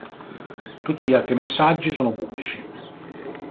Tutti gli altri messaggi sono pubblici.